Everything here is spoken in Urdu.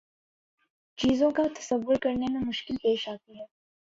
چیزوں کا تصور کرنے میں مشکل پیش آتی ہے